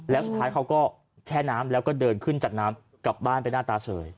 แล้วสุดท้ายเขาก็แช่น้ำแล้วก็เดินขึ้นจากน้ำกลับบ้านไปหน้าตาเฉย